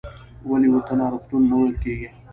ولې ورته ناروغتون نه ویل کېږي؟